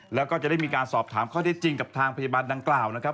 แล้วก็จะได้มีการสอบถามข้อได้จริงกับทางพยาบาลดังกล่าวนะครับ